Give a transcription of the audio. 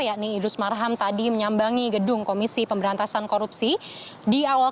yakni idrus marham tadi menyambangi gedung kpk jakarta